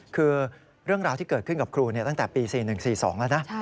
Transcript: คือเรื่องราวที่เกิดขึ้นกับครูตั้งแต่ปี๔๑๔๒แล้วนะ